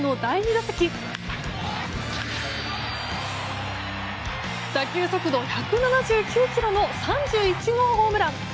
打球速度１７９キロの３１号ホームラン。